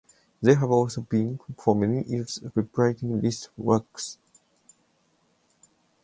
They have also been, for many years, reprinting List's works.